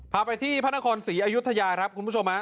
พาไปที่พระนครศรีอยุธยาครับคุณผู้ชม